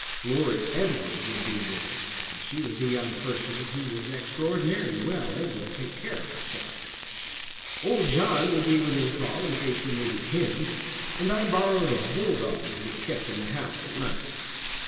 Lord Edward would be with her, and she was a young person who was extraordinary well able to take care of herself. Old John would be within call in case she needed him, and I borrowed a bulldog to be kept in the house at night.